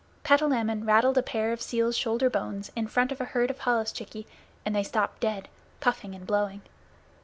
Patalamon rattled a pair of seal's shoulder bones in front of a herd of holluschickie and they stopped dead, puffing and blowing.